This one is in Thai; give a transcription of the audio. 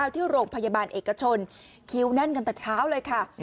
ที่โรงพยาบาลเอกชนคิวแน่นกันแต่เช้าเลยค่ะ